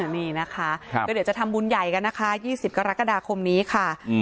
นี่นะคะก็เดี๋ยวจะทำบุญใหญ่กันนะคะ๒๐กรกฎาคมนี้ค่ะ